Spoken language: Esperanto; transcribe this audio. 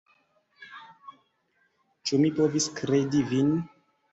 Ĉu mi povis kredi vin?